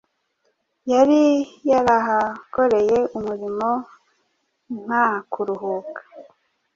Yari yarahakoreye umurimo nta kuruhuka,